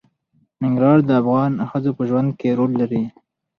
ننګرهار د افغان ښځو په ژوند کې رول لري.